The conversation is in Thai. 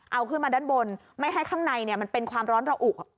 เอาขึ้นมาด้านบนไม่ให้ข้างในมันเป็นความร้อนระอุ